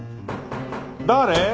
誰？